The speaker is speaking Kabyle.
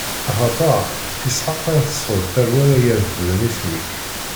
Axaṭer, s Isḥaq ara tesɛuḍ tarwa ara irefden isem-ik.